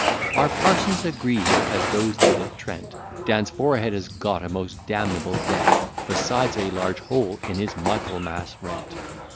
Our parsons agree here, as those did at Trent, Dan's forehead has got a most damnable dent, Besides a large hole in his Michaelmas rent.